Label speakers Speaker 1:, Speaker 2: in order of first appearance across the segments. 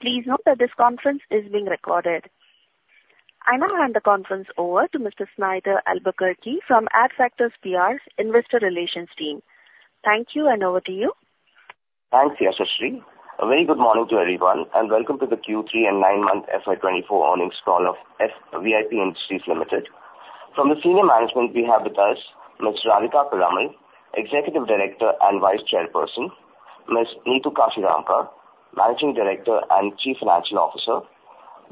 Speaker 1: Please note that this conference is being recorded. I now hand the conference over to Mr. Snighter Albuquerque from AdFactors PR's Investor Relations team. Thank you, and over to you.
Speaker 2: Thanks, Yashasree. A very good morning to everyone, and welcome to the Q3 and 9-month FY24 Earnings Call of VIP Industries Limited. From the senior management, we have with us Ms. Radhika Piramal, Executive Director and Vice Chairperson. Ms. Neetu Kashiramka, Managing Director and Chief Financial Officer.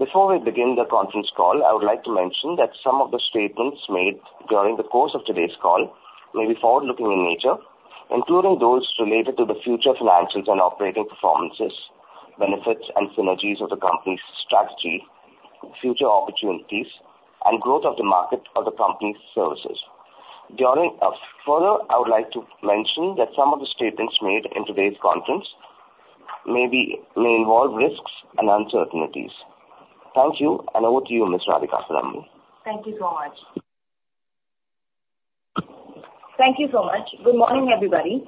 Speaker 2: Before we begin the conference call, I would like to mention that some of the statements made during the course of today's call may be forward-looking in nature, including those related to the future financials and operating performances, benefits and synergies of the company's strategy, future opportunities, and growth of the market of the company's services. Further, I would like to mention that some of the statements made in today's conference may involve risks and uncertainties. Thank you, and over to you, Ms. Radhika Piramal.
Speaker 3: Thank you so much. Thank you so much. Good morning, everybody,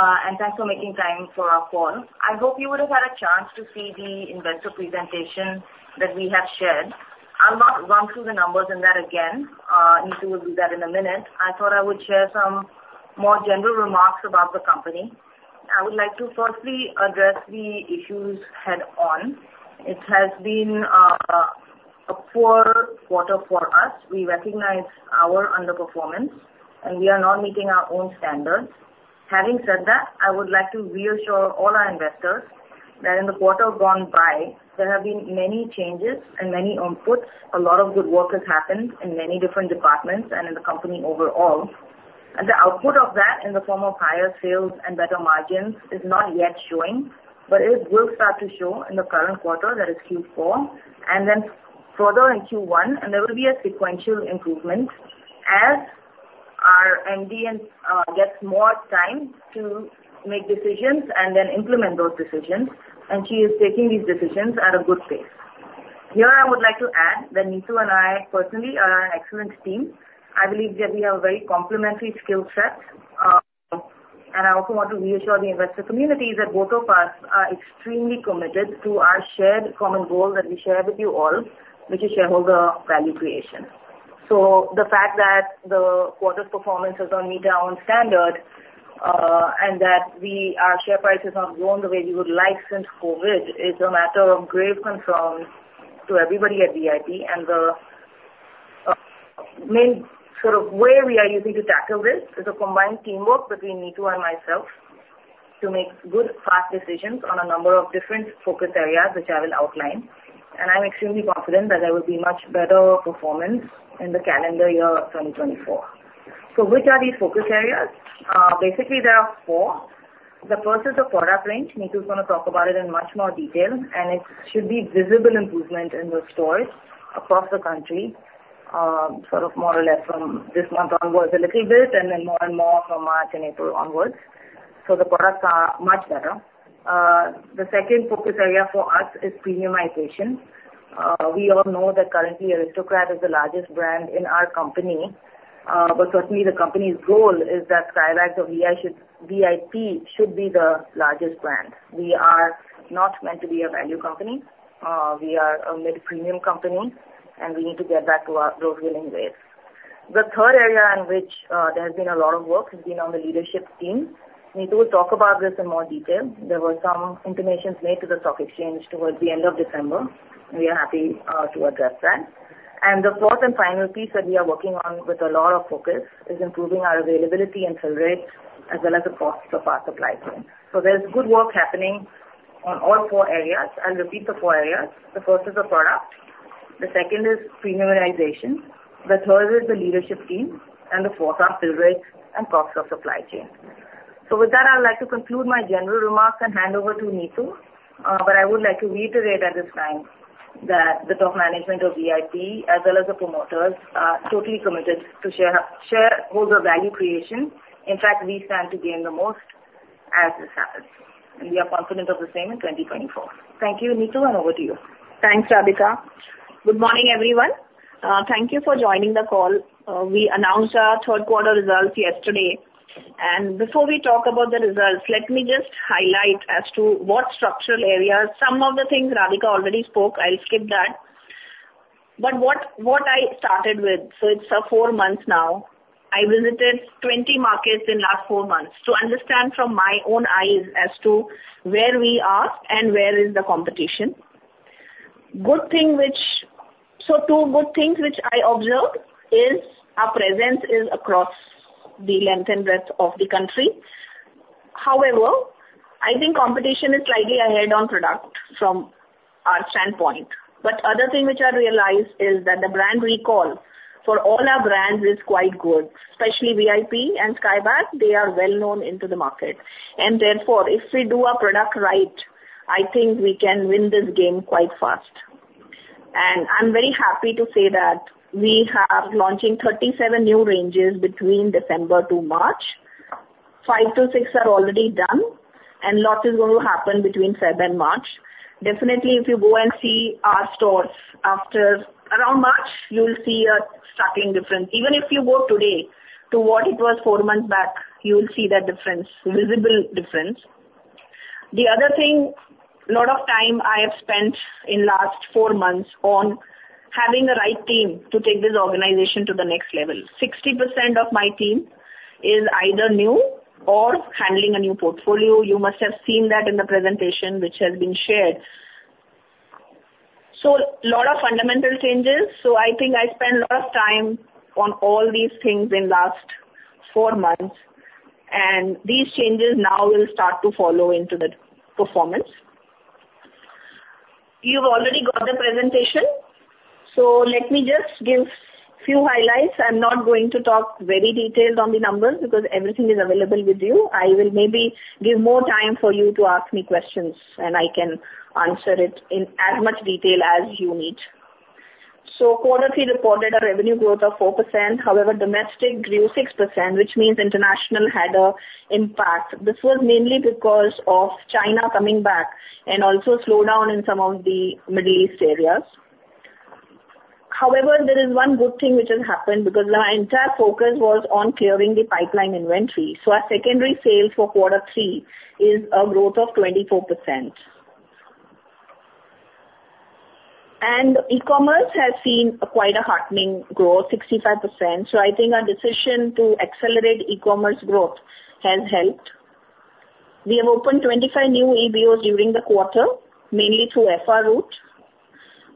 Speaker 3: and thanks for making time for our call. I hope you would have had a chance to see the investor presentation that we have shared. I'll not run through the numbers in that again. Neetu will do that in a minute. I thought I would share some more general remarks about the company. I would like to firstly address the issues head-on. It has been a poor quarter for us. We recognize our underperformance, and we are not meeting our own standards. Having said that, I would like to reassure all our investors that in the quarter gone by, there have been many changes and many inputs. A lot of good work has happened in many different departments and in the company overall. The output of that, in the form of higher sales and better margins, is not yet showing, but it will start to show in the current quarter, that is Q4, and then further in Q1, and there will be a sequential improvement as our MD gets more time to make decisions and then implement those decisions, and she is taking these decisions at a good pace. Here, I would like to add that Neetu and I, personally, are an excellent team. I believe that we have a very complementary skill set, and I also want to reassure the investor community that both of us are extremely committed to our shared common goal that we share with you all, which is shareholder value creation. So the fact that the quarter's performance has not met our own standard and that our share price has not grown the way we would like since COVID is a matter of grave concern to everybody at VIP, and the main sort of way we are using to tackle this is a combined teamwork between Neetu and myself to make good, fast decisions on a number of different focus areas, which I will outline, and I'm extremely confident that there will be much better performance in the calendar year 2024. So which are these focus areas? Basically, there are four. The first is the product range. Neetu's going to talk about it in much more detail, and it should be visible improvement in the stores across the country, sort of more or less from this month onwards a little bit and then more and more from March and April onwards. So the products are much better. The second focus area for us is premiumization. We all know that currently, Aristocrat is the largest brand in our company, but certainly, the company's goal is that Skybags of VIP should be the largest brand. We are not meant to be a value company. We are a mid-premium company, and we need to get back to those winning ways. The third area in which there has been a lot of work has been on the leadership team. Neetu will talk about this in more detail. There were some intimations made to the stock exchange towards the end of December, and we are happy to address that. The fourth and final piece that we are working on with a lot of focus is improving our availability and sale rates as well as the costs of our supply chain. So there's good work happening on all four areas. I'll repeat the four areas. The first is the product. The second is premiumization. The third is the leadership team. And the fourth are sale rates and costs of supply chain. So with that, I would like to conclude my general remarks and hand over to Neetu, but I would like to reiterate at this time that the top management of VIP, as well as the promoters, are totally committed to shareholder value creation. In fact, we stand to gain the most as this happens, and we are confident of the same in 2024. Thank you, Neetu, and over to you.
Speaker 1: Thanks, Radhika. Good morning, everyone. Thank you for joining the call. We announced our third quarter results yesterday, and before we talk about the results, let me just highlight as to what structural areas some of the things Radhika already spoke. I'll skip that. But what I started with so it's four months now. I visited 20 markets in the last four months to understand from my own eyes as to where we are and where is the competition. So two good things which I observed is our presence is across the length and breadth of the country. However, I think competition is slightly ahead on product from our standpoint. But the other thing which I realized is that the brand recall for all our brands is quite good, especially VIP and Skybags. They are well-known into the market, and therefore, if we do our product right, I think we can win this game quite fast. I'm very happy to say that we are launching 37 new ranges between December to March. 5 to 6 are already done, and lots is going to happen between February and March. Definitely, if you go and see our stores around March, you'll see a striking difference. Even if you go today to what it was 4 months back, you'll see that difference, visible difference. The other thing, a lot of time I have spent in the last 4 months on having the right team to take this organization to the next level. 60% of my team is either new or handling a new portfolio. You must have seen that in the presentation which has been shared. A lot of fundamental changes. So I think I spent a lot of time on all these things in the last four months, and these changes now will start to follow into the performance. You've already got the presentation, so let me just give a few highlights. I'm not going to talk very detailed on the numbers because everything is available with you. I will maybe give more time for you to ask me questions, and I can answer it in as much detail as you need. So quarterly reported a revenue growth of 4%. However, domestic grew 6%, which means international had an impact. This was mainly because of China coming back and also a slowdown in some of the Middle East areas. However, there is one good thing which has happened because our entire focus was on clearing the pipeline inventory. So our secondary sales for quarter three is a growth of 24%. E-commerce has seen quite a heartening growth, 65%. So I think our decision to accelerate e-commerce growth has helped. We have opened 25 new EBOs during the quarter, mainly through FR route.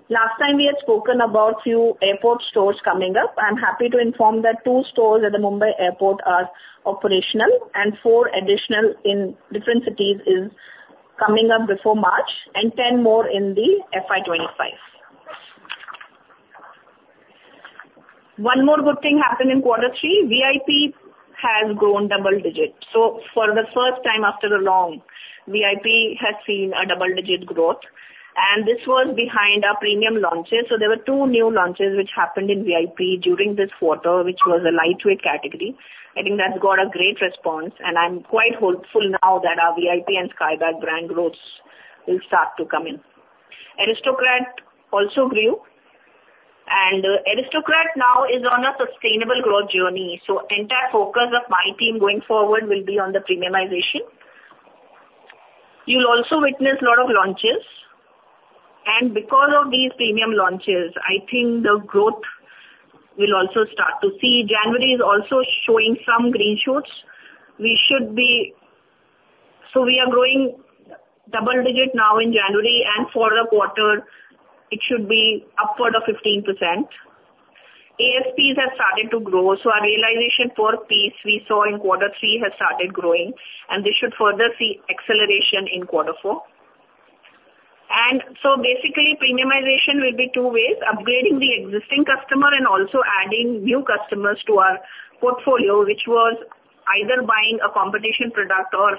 Speaker 1: Last time, we had spoken about a few airport stores coming up. I'm happy to inform that two stores at the Mumbai Airport are operational, and four additional in different cities are coming up before March, and 10 more in the FY25. One more good thing happened in quarter three. VIP has grown double-digit. So for the first time after a long, VIP has seen a double-digit growth, and this was behind our premium launches. So there were two new launches which happened in VIP during this quarter, which was a lightweight category. I think that's got a great response, and I'm quite hopeful now that our VIP and Skybags brand growth will start to come in. Aristocrat also grew, and Aristocrat now is on a sustainable growth journey. The entire focus of my team going forward will be on the premiumization. You'll also witness a lot of launches, and because of these premium launches, I think the growth will also start to see. January is also showing some green shoots. We are growing double-digit now in January, and for the quarter, it should be upward of 15%. ASPs have started to grow. Our realization for pieces we saw in quarter three has started growing, and this should further see acceleration in quarter four. Basically, premiumization will be two ways: upgrading the existing customer and also adding new customers to our portfolio, which was either buying a competition product or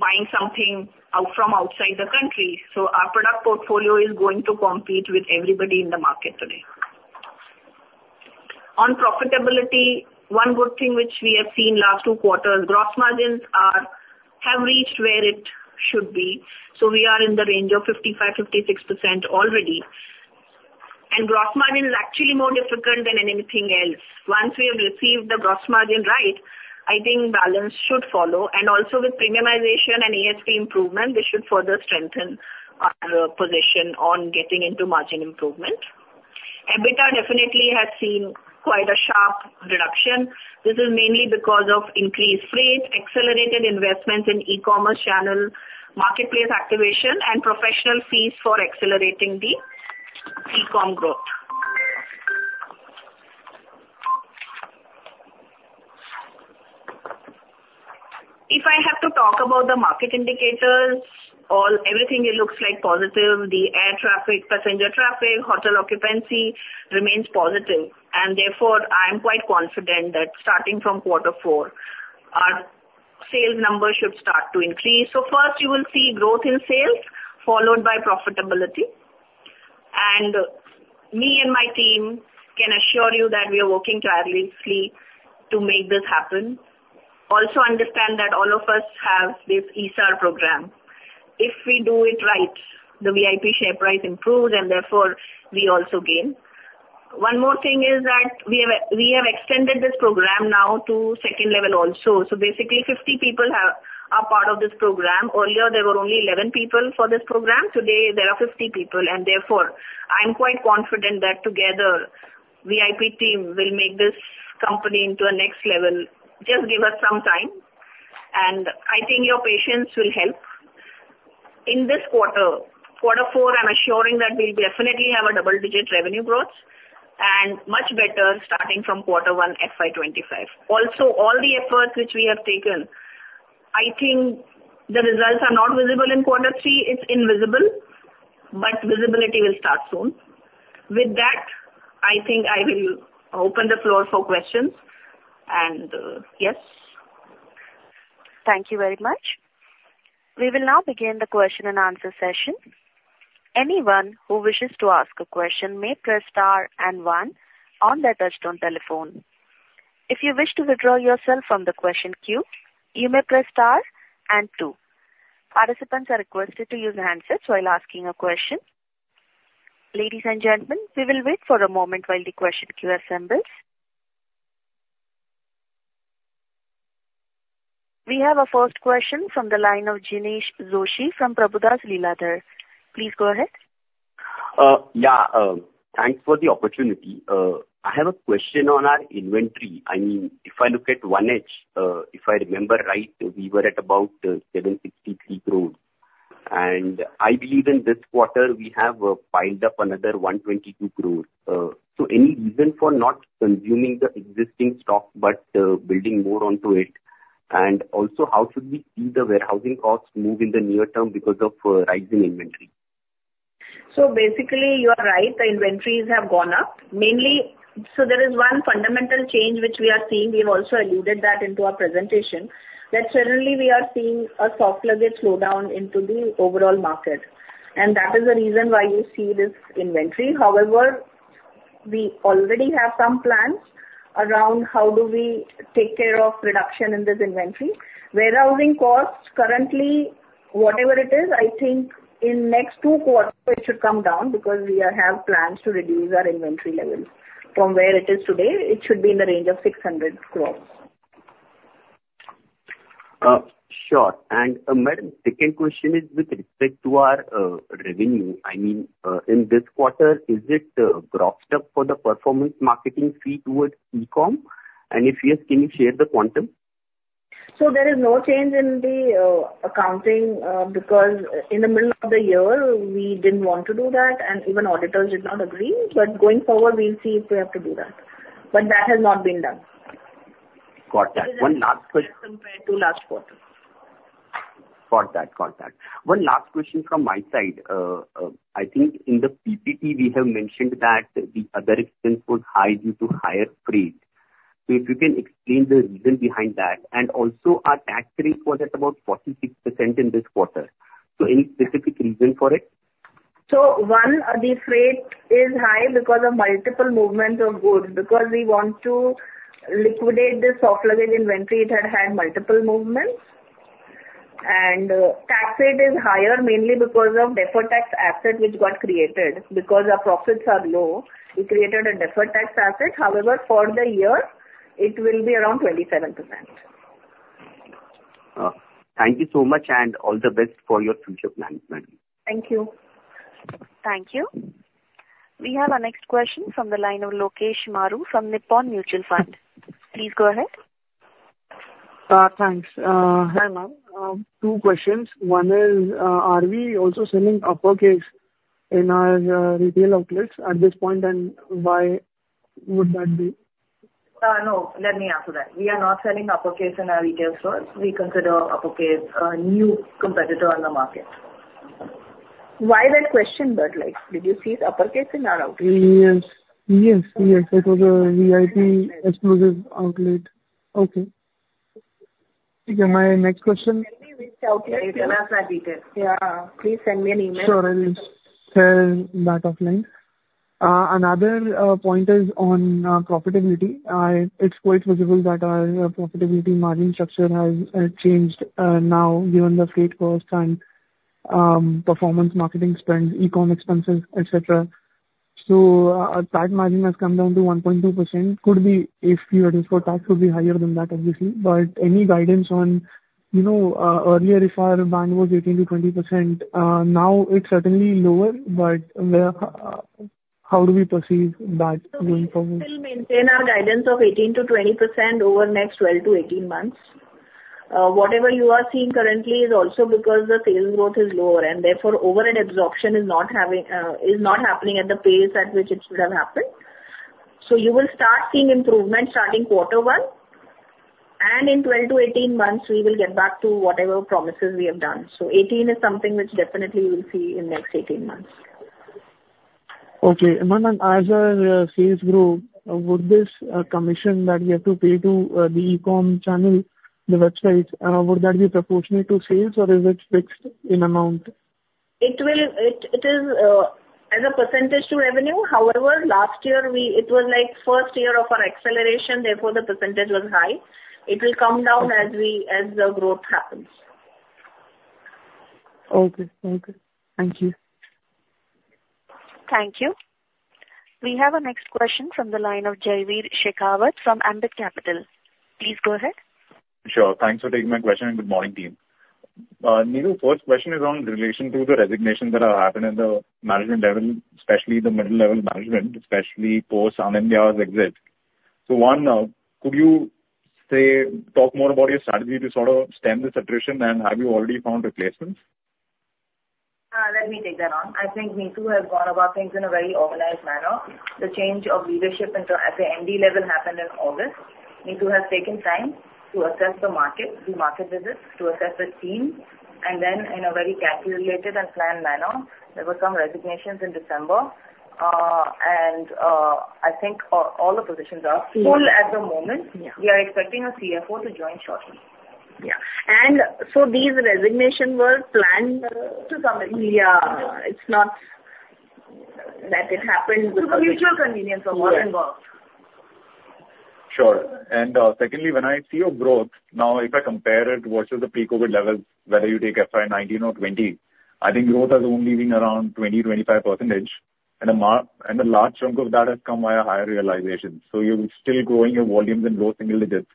Speaker 1: buying something from outside the country. Our product portfolio is going to compete with everybody in the market today. On profitability, one good thing which we have seen in the last 2 quarters, gross margins have reached where it should be. So we are in the range of 55%-56% already, and gross margin is actually more difficult than anything else. Once we have received the gross margin right, I think balance should follow, and also with premiumization and ASP improvement, this should further strengthen our position on getting into margin improvement. EBITDA definitely has seen quite a sharp reduction. This is mainly because of increased freight, accelerated investments in e-commerce channel marketplace activation, and professional fees for accelerating the e-com growth. If I have to talk about the market indicators, everything looks positive. The air traffic, passenger traffic, hotel occupancy remains positive, and therefore, I am quite confident that starting from quarter four, our sales numbers should start to increase. So first, you will see growth in sales, followed by profitability, and me and my team can assure you that we are working tirelessly to make this happen. Also, understand that all of us have this ESAR program. If we do it right, the VIP share price improves, and therefore, we also gain. One more thing is that we have extended this program now to second level also. So basically, 50 people are part of this program. Earlier, there were only 11 people for this program. Today, there are 50 people, and therefore, I'm quite confident that together, the VIP team will make this company into a next level. Just give us some time, and I think your patience will help. In this quarter, quarter four, I'm assuring that we'll definitely have double-digit revenue growth and much better starting from quarter one FY25. Also, all the efforts which we have taken, I think the results are not visible in quarter three. It's invisible, but visibility will start soon. With that, I think I will open the floor for questions, and yes.
Speaker 4: Thank you very much. We will now begin the question-and-answer session. Anyone who wishes to ask a question may press star and one on their touch-tone telephone. If you wish to withdraw yourself from the question queue, you may press star and two. Participants are requested to use handsets while asking a question. Ladies and gentlemen, we will wait for a moment while the question queue assembles. We have a first question from the line of Jinesh Joshi from Prabhudas Lilladher. Please go ahead.
Speaker 5: Yeah. Thanks for the opportunity. I have a question on our inventory. I mean, if I look at 1H, if I remember right, we were at about 763 crores, and I believe in this quarter, we have piled up another 122 crores. So any reason for not consuming the existing stock but building more onto it? And also, how should we see the warehousing costs move in the near term because of rising inventory?
Speaker 1: So basically, you are right. The inventories have gone up. So there is one fundamental change which we are seeing. We have also alluded that into our presentation that certainly, we are seeing a soft luggage slowdown into the overall market, and that is the reason why you see this inventory. However, we already have some plans around how do we take care of reduction in this inventory. Warehousing costs, currently, whatever it is, I think in the next two quarters, it should come down because we have plans to reduce our inventory levels. From where it is today, it should be in the range of 600 crore.
Speaker 5: Sure. And a second question is with respect to our revenue. I mean, in this quarter, is it grossed up for the performance marketing fee towards e-com? And if yes, can you share the quantum?
Speaker 1: There is no change in the accounting because in the middle of the year, we didn't want to do that, and even auditors did not agree. Going forward, we'll see if we have to do that, but that has not been done.
Speaker 5: Got that. One last question.
Speaker 1: Compared to last quarter.
Speaker 5: Got that. Got that. One last question from my side. I think in the PPT, we have mentioned that the other expense was high due to higher freight. So if you can explain the reason behind that? And also, our tax rate was at about 46% in this quarter. So any specific reason for it?
Speaker 1: One, the freight is high because of multiple movements of goods. Because we want to liquidate the soft luggage inventory, it had had multiple movements, and tax rate is higher mainly because of deferred tax asset which got created. Because our profits are low, we created a deferred tax asset. However, for the year, it will be around 27%.
Speaker 5: Thank you so much, and all the best for your future plan, Ma'am.
Speaker 1: Thank you.
Speaker 4: Thank you. We have our next question from the line of Lokesh Maru from Nippon Mutual Fund. Please go ahead.
Speaker 6: Thanks. Hi, ma'am. Two questions. One is, are we also selling Uppercase in our retail outlets at this point, and why would that be?
Speaker 1: No, let me answer that. We are not selling Uppercase in our retail stores. We consider Uppercase a new competitor on the market. Why that question, but did you see Uppercase in our outlet?
Speaker 6: Yes. Yes. Yes. It was a VIP exclusive outlet. Okay. Thank you. My next question.
Speaker 1: Tell me which outlet?
Speaker 6: Let me ask that detail.
Speaker 1: Yeah. Please send me an email.
Speaker 6: Sure. I will share that offline. Another point is on profitability. It's quite visible that our profitability margin structure has changed now given the freight costs and performance marketing spends, e-com expenses, etc. So that margin has come down to 1.2%. If you address for tax, it would be higher than that, obviously, but any guidance on earlier, if our band was 18%-20%, now it's certainly lower, but how do we perceive that going forward?
Speaker 1: So we will still maintain our guidance of 18%-20% over the next 12-18 months. Whatever you are seeing currently is also because the sales growth is lower, and therefore, overhead absorption is not happening at the pace at which it should have happened. So you will start seeing improvement starting quarter one, and in 12-18 months, we will get back to whatever promises we have done. So 18% is something which definitely you will see in the next 18 months.
Speaker 6: Okay. Ma'am, as our sales grew, would this commission that we have to pay to the e-com channel, the website, would that be proportionate to sales, or is it fixed in amount?
Speaker 1: It is as a percentage to revenue. However, last year, it was first year of our acceleration, therefore, the percentage was high. It will come down as the growth happens.
Speaker 6: Okay. Okay. Thank you.
Speaker 4: Thank you. We have a next question from the line of Jaiveer Shekhawat from Ambit Capital. Please go ahead.
Speaker 7: Sure. Thanks for taking my question, and good morning, team. Neil, the first question is in relation to the resignations that have happened at the management level, especially the middle-level management, especially post Anindya's exit. So one, could you talk more about your strategy to sort of stem this attrition, and have you already found replacements?
Speaker 3: Let me take that on. I think Neetu has gone about things in a very organized manner. The change of leadership at the MD level happened in August. Neetu has taken time to assess the market, do market visits, to assess the team, and then in a very calculated and planned manner, there were some resignations in December. I think all the positions are full at the moment. We are expecting a CFO to join shortly.
Speaker 1: Yeah. And so these resignations were planned? To somebody. Yeah. It's not that it happened because.
Speaker 3: It's a mutual convenience of all involved.
Speaker 7: Sure. And secondly, when I see your growth now, if I compare it versus the pre-COVID levels, whether you take FY19 or 20, I think growth has only been around 20%-25%, and a large chunk of that has come via higher realizations. So you're still growing your volumes in low single digits.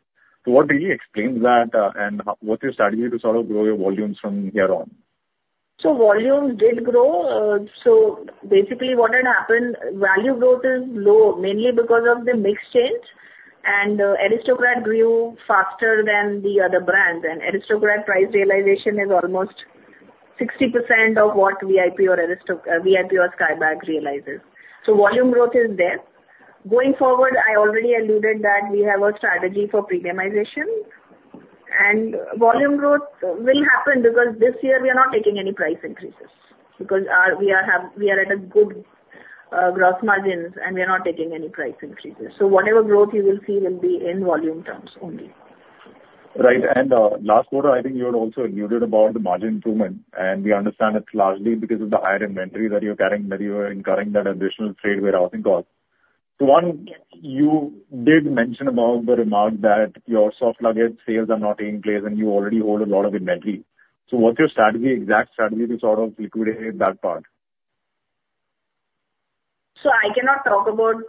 Speaker 7: So what really explains that, and what's your strategy to sort of grow your volumes from here on?
Speaker 1: Volumes did grow. Basically, what had happened, value growth is low mainly because of the mix change, and Aristocrat grew faster than the other brands. Aristocrat price realization is almost 60% of what VIP or Skybags realizes. Volume growth is there. Going forward, I already alluded that we have a strategy for premiumization, and volume growth will happen because this year, we are not taking any price increases because we are at good gross margins, and we are not taking any price increases. Whatever growth you will see will be in volume terms only.
Speaker 7: Right. And last quarter, I think you had also alluded about the margin improvement, and we understand it largely because of the higher inventory that you're carrying, that you are incurring that additional freight warehousing cost. So one, you did mention about the remark that your soft luggage sales are not taking place, and you already hold a lot of inventory. So what's your exact strategy to sort of liquidate that part?
Speaker 1: I cannot talk about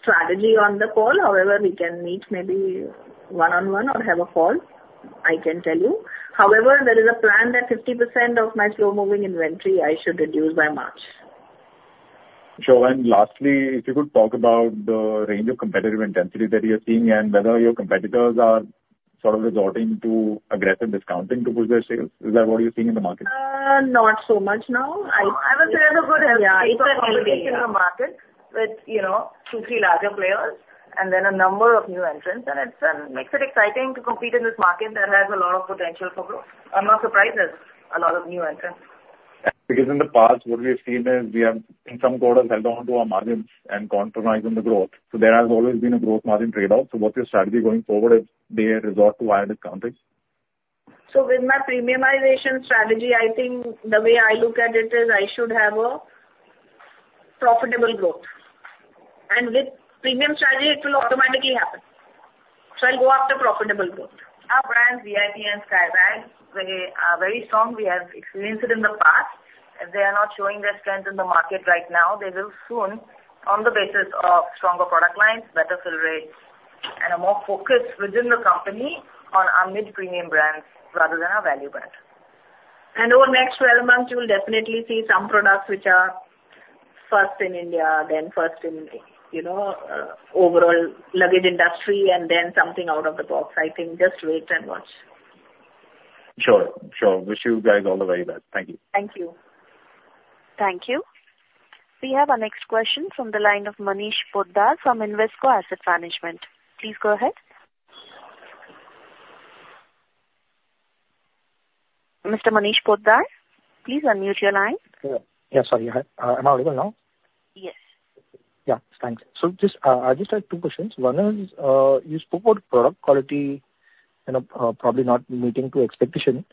Speaker 1: strategy on the call. However, we can meet maybe one-on-one or have a call. I can tell you. However, there is a plan that 50% of my slow-moving inventory I should reduce by March.
Speaker 7: Sure. Lastly, if you could talk about the range of competitive intensity that you're seeing and whether your competitors are sort of resorting to aggressive discounting to push their sales. Is that what you're seeing in the market?
Speaker 1: Not so much now. I would say it's a good healthy situation in the market with 2-3 larger players and then a number of new entrants, and it makes it exciting to compete in this market that has a lot of potential for growth. I'm not surprised there's a lot of new entrants.
Speaker 7: Because in the past, what we have seen is we have, in some quarters, held onto our margins and compromised on the growth. There has always been a growth margin trade-off. What's your strategy going forward if they resort to higher discounting?
Speaker 1: So with my premiumization strategy, I think the way I look at it is I should have profitable growth, and with premium strategy, it will automatically happen. So I'll go after profitable growth. Our brands, VIP and Skybags, they are very strong. We have experienced it in the past. If they are not showing their strength in the market right now, they will soon, on the basis of stronger product lines, better fill rates, and a more focus within the company on our mid-premium brands rather than our value brand. And over the next 12 months, you will definitely see some products which are first in India, then first in overall luggage industry, and then something out of the box. I think just wait and watch.
Speaker 7: Sure. Sure. Wish you guys all the very best. Thank you.
Speaker 1: Thank you.
Speaker 4: Thank you. We have our next question from the line of Manish Poddar from Invesco Asset Management. Please go ahead. Mr. Manish Poddar, please unmute your line.
Speaker 8: Yeah. Sorry. Am I audible now?
Speaker 1: Yes.
Speaker 8: Yeah. Thanks. So I just have two questions. One is, you spoke about product quality probably not meeting expectations.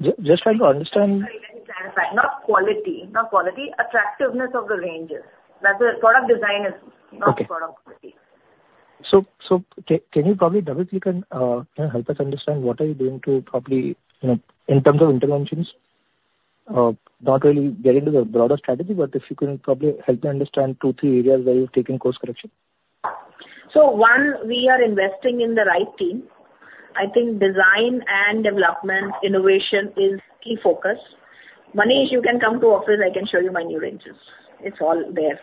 Speaker 8: Just trying to understand.
Speaker 1: Let me clarify. Not quality. Not quality. Attractiveness of the ranges. The product design is not the product quality.
Speaker 8: Can you probably double-click and help us understand what are you doing to probably, in terms of interventions, not really get into the broader strategy, but if you can probably help me understand two, three areas where you've taken course correction?
Speaker 1: So one, we are investing in the right team. I think design and development, innovation is key focus. Manish, you can come to office. I can show you my new ranges. It's all there.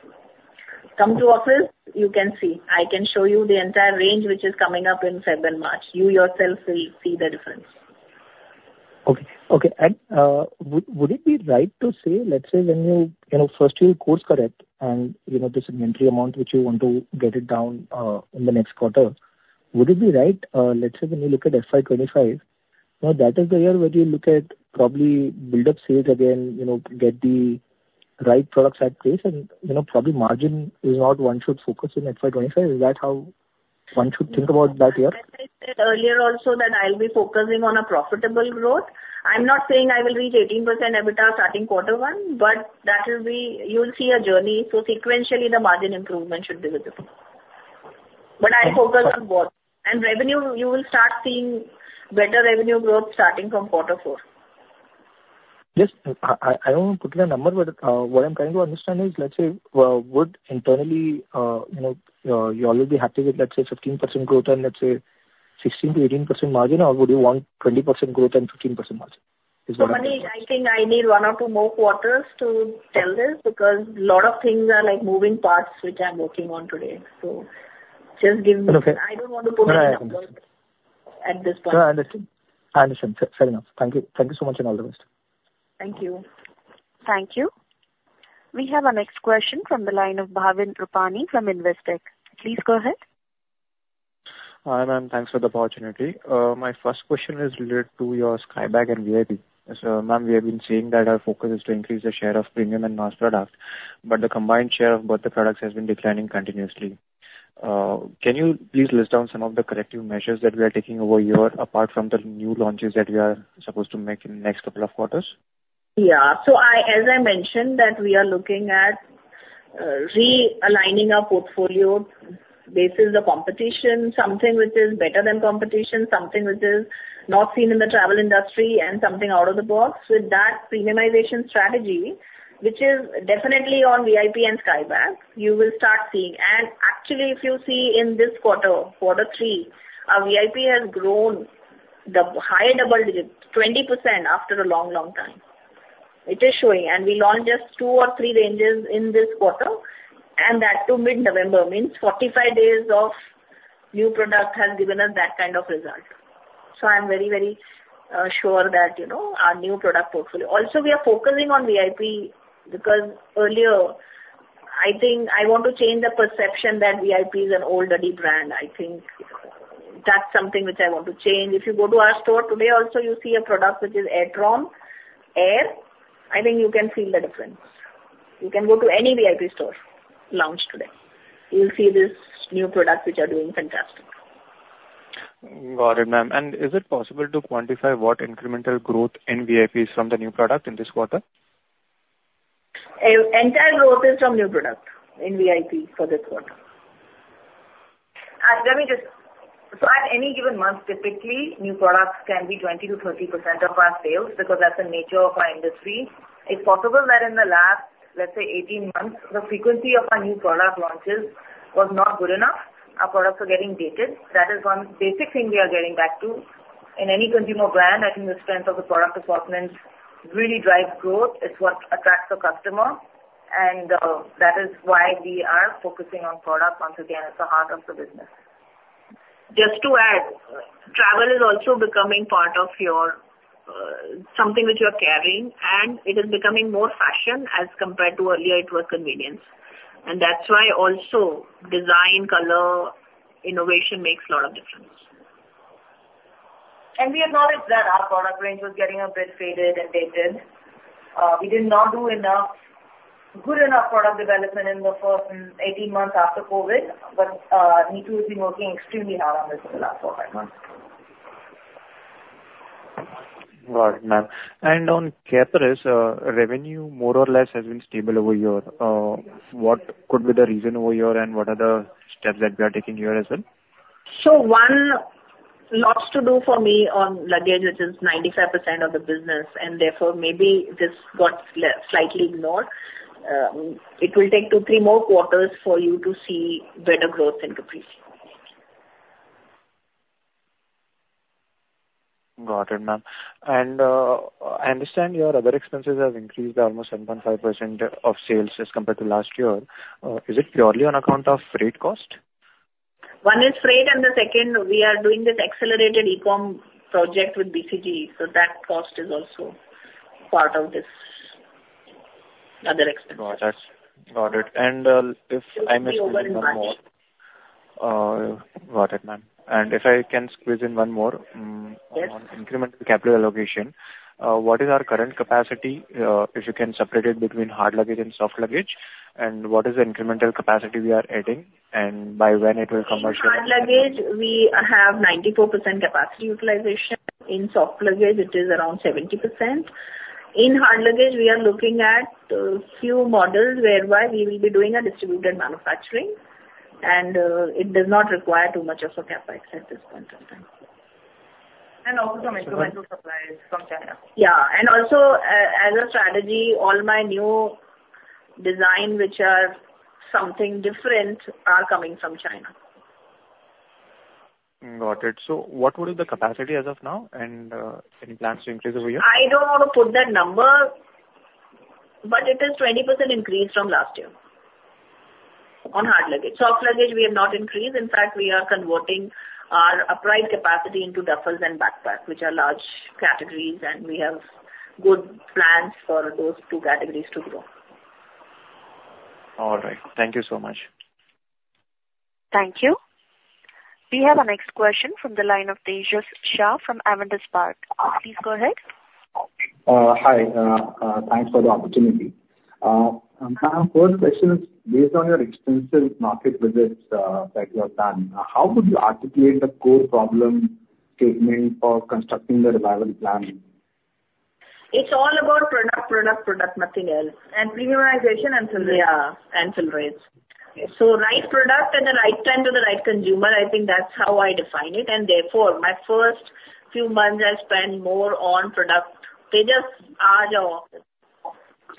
Speaker 1: Come to office. You can see. I can show you the entire range which is coming up in February and March. You yourself will see the difference.
Speaker 8: Okay. Okay. And would it be right to say, let's say, when you first do your course correct and this inventory amount which you want to get it down in the next quarter, would it be right, let's say, when you look at FY25, that is the year where you look at probably build up sales again, get the right products at place, and probably margin is not one should focus on FY25? Is that how one should think about that year?
Speaker 1: As I said earlier also that I'll be focusing on profitable growth. I'm not saying I will reach 18% EBITDA starting quarter one, but you'll see a journey. So sequentially, the margin improvement should be visible. But I focus on both. And revenue, you will start seeing better revenue growth starting from quarter four.
Speaker 8: Yes. I don't want to put in a number, but what I'm trying to understand is, let's say, would internally, you already be happy with, let's say, 15% growth and, let's say, 16%-18% margin, or would you want 20% growth and 15% margin? Is that what I'm asking?
Speaker 1: Manish, I think I need one or two more quarters to tell this because a lot of things are moving parts which I'm working on today. So just give me.
Speaker 8: But okay.
Speaker 1: I don't want to put in a number at this point.
Speaker 8: No, I understand. I understand. Fair enough. Thank you. Thank you so much, and all the best.
Speaker 1: Thank you.
Speaker 4: Thank you. We have our next question from the line of Bhavin Rupani from Investec. Please go ahead.
Speaker 9: Hi, ma'am. Thanks for the opportunity. My first question is related to your Skybags and VIP. Ma'am, we have been seeing that our focus is to increase the share of premium and mass products, but the combined share of both the products has been declining continuously. Can you please list down some of the corrective measures that we are taking over here apart from the new launches that we are supposed to make in the next couple of quarters?
Speaker 1: Yeah. So as I mentioned, that we are looking at realigning our portfolio based on the competition, something which is better than competition, something which is not seen in the travel industry, and something out of the box. With that premiumization strategy, which is definitely on VIP and Skybags, you will start seeing. And actually, if you see in this quarter, quarter three, our VIP has grown the higher double digit, 20% after a long, long time. It is showing. And we launched just two or three ranges in this quarter, and that too mid-November means 45 days of new product has given us that kind of result. So I'm very, very sure that our new product portfolio also, we are focusing on VIP because earlier, I think I want to change the perception that VIP is an old, dirty brand. I think that's something which I want to change. If you go to our store today, also, you see a product which is Airtron Air. I think you can feel the difference. You can go to any VIP store launch today. You'll see this new product which are doing fantastic.
Speaker 9: Got it, ma'am. Is it possible to quantify what incremental growth in VIP is from the new product in this quarter?
Speaker 1: Entire growth is from new product in VIP for this quarter. So at any given month, typically, new products can be 20%-30% of our sales because that's the nature of our industry. It's possible that in the last, let's say, 18 months, the frequency of our new product launches was not good enough. Our products are getting dated. That is one basic thing we are getting back to. In any consumer brand, I think the strength of the product assortment really drives growth. It's what attracts the customer, and that is why we are focusing on product. Once again, it's the heart of the business. Just to add, travel is also becoming part of something which you are carrying, and it is becoming more fashion as compared to earlier. It was convenience. And that's why also, design, color, innovation makes a lot of difference.
Speaker 3: We acknowledge that our product range was getting a bit faded and dated. We did not do good enough product development in the first 18 months after COVID, but Neetu has been working extremely hard on this for the last 4, 5 months.
Speaker 9: Got it, ma'am. And on Caprese revenue more or less has been stable over here. What could be the reason over here, and what are the steps that we are taking here as well?
Speaker 1: So 1, lots to do for me on luggage, which is 95% of the business, and therefore, maybe this got slightly ignored. It will take 2, 3 more quarters for you to see better growth increase.
Speaker 9: Got it, ma'am. I understand your other expenses have increased by almost 7.5% of sales as compared to last year. Is it purely on account of freight cost?
Speaker 1: One is freight, and the second, we are doing this accelerated e-com project with BCG, so that cost is also part of this other expense.
Speaker 9: Got it.
Speaker 1: Which should get over in March.
Speaker 9: Got it, ma'am. If I can squeeze in one more on incremental capital allocation, what is our current capacity, if you can separate it between hard luggage and soft luggage, and what is the incremental capacity we are adding, and by when it will come?
Speaker 1: In hard luggage, we have 94% capacity utilization. In soft luggage, it is around 70%. In hard luggage, we are looking at a few models whereby we will be doing a distributed manufacturing, and it does not require too much of a CapEx at this point in time. And also.
Speaker 3: And also some incremental supplies from China.
Speaker 1: Yeah. And also, as a strategy, all my new design which are something different are coming from China.
Speaker 9: Got it. So what would be the capacity as of now, and any plans to increase over here?
Speaker 1: I don't want to put that number, but it is 20% increased from last year on hard luggage. Soft luggage, we have not increased. In fact, we are converting our upright capacity into duffels and backpacks, which are large categories, and we have good plans for those two categories to grow.
Speaker 9: All right. Thank you so much.
Speaker 4: Thank you. We have our next question from the line of Tejas Shah from Avendus Spark. Please go ahead.
Speaker 10: Hi. Thanks for the opportunity. Ma'am, first question is, based on your extensive market visits that you have done, how would you articulate the core problem statement for constructing the reliable plan?
Speaker 1: It's all about product, product, product, nothing else. And premiumization and fill rates. Yeah. And fill rates. So right product at the right time to the right consumer, I think that's how I define it. And therefore, my first few months, I spend more on product. They just are our office.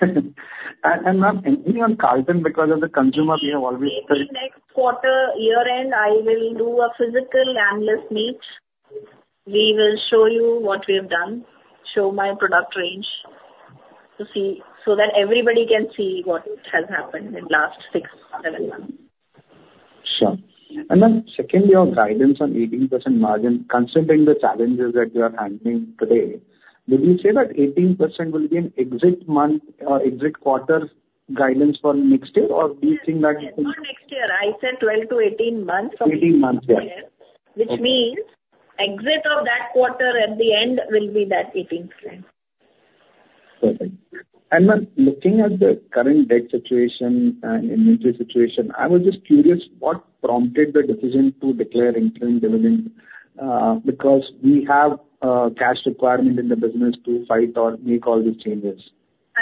Speaker 10: Ma'am, even on Carlton, because as a consumer, we have always the.
Speaker 1: Maybe next quarter, year-end, I will do a physical analyst meet. We will show you what we have done, show my product range so that everybody can see what has happened in the last 6-7 months.
Speaker 10: Sure. Then second, your guidance on 18% margin, considering the challenges that you are handling today, would you say that 18% will be an exit month or exit quarter guidance for next year, or do you think that?
Speaker 1: It's not next year. I said 12-18 months from next year.
Speaker 10: 18 months. Yeah.
Speaker 1: Which means exit of that quarter at the end will be that 18%.
Speaker 10: Perfect. Ma'am, looking at the current debt situation and inventory situation, I was just curious what prompted the decision to declare interim dividends because we have a cash requirement in the business to fight or make all these changes.